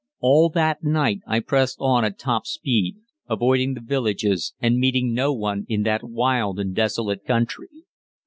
All that night I pressed on at top speed, avoiding the villages and meeting no one in that wild and desolate country.